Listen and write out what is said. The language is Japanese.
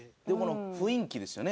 雰囲気ですよね。